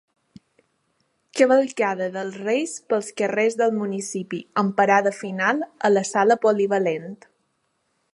Cavalcada dels reis pels carrers del municipi amb parada final a la Sala Polivalent.